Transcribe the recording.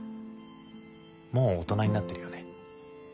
もう大人になってるよね？